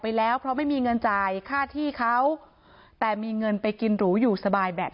มาจ่ายค่าแรงพนักงานที่เขาทำงานให้ดีกว่าไหม